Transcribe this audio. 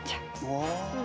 ああ。